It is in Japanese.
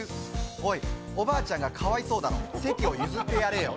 おい、おばあちゃんがかわいそうだろ、席を譲ってやれよ。